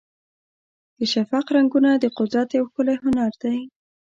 د شفق رنګونه د قدرت یو ښکلی هنر دی.